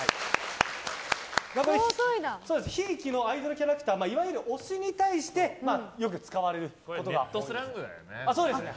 ひいきのアイドルキャラクターいわゆる推しに対してネットスラングだよね。